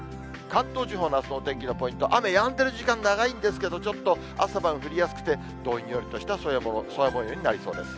関東地方のあすのお天気のポイント、雨やんでいる時間長いんですけれども、ちょっと、朝晩降りやすくて、どんよりとした空もようになりそうです。